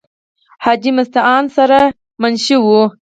حاجې مستعان سره منشي وو ۔